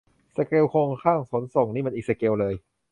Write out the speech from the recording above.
สเกลโครงสร้างขนส่งนี่มันอีกสเกลเลย